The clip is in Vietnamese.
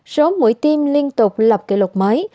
số mũi tiêm liên tục lập kỷ lục mới